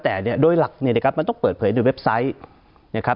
แต่โดยหลักมันต้องเปิดเผยในเว็บไซต์